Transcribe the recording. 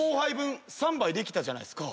できたじゃないですか。